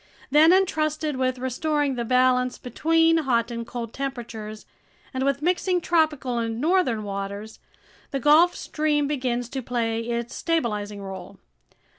Then, entrusted with restoring the balance between hot and cold temperatures and with mixing tropical and northern waters, the Gulf Stream begins to play its stabilizing role.